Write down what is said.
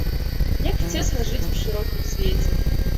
Як цесна жыць у шырокім свеце!